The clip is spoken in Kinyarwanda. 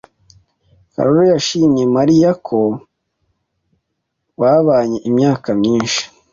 Karoli yashimye Mariyako babanye imyaka myinshi.